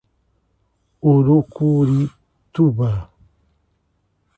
Urucurituba